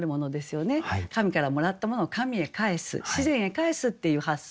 神からもらったものを神へ還す自然へ還すっていう発想。